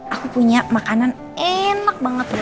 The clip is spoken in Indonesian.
aku punya makanan enak banget buat kesha